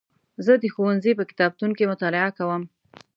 زه د ښوونځي په کتابتون کې مطالعه کوم.